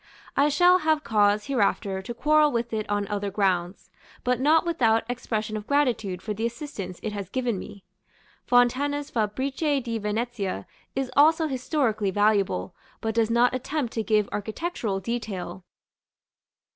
I shall have cause hereafter to quarrel with it on other grounds, but not without expression of gratitude for the assistance it has given me. Fontana's "Fabbriche di Venezia" is also historically valuable, but does not attempt to give architectural detail.